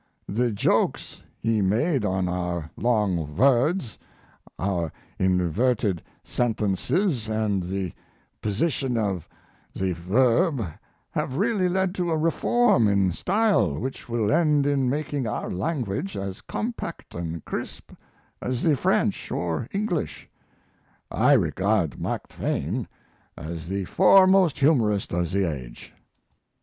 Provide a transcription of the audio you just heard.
The jokes he made on our long words, our inverted sentences, and the position of the verb have really led to a reform in style which will end in making our language as compact and crisp as the French or English. I regard Mark Twain as the foremost humorist of the age."